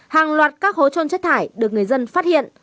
hàng loạt các hố trôn chất thải được người dân phát hiện